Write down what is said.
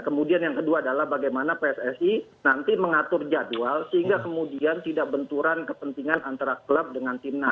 kemudian yang kedua adalah bagaimana pssi nanti mengatur jadwal sehingga kemudian tidak benturan kepentingan antara klub dengan timnas